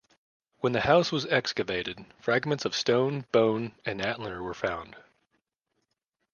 When this house was excavated, fragments of stone, bone and antler were found.